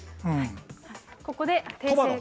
ここで訂正。